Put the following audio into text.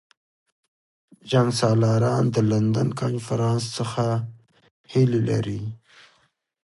جنګسالاران د لندن کنفرانس څخه هیلې لري.